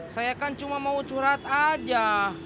saya kan cuma mau curhat aja